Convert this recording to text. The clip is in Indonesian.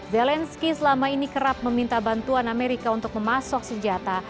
zelensky selama ini kerap meminta bantuan amerika untuk memasok senjata